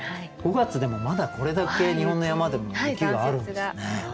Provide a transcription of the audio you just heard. ５月でもまだこれだけ日本の山でも雪があるんですね。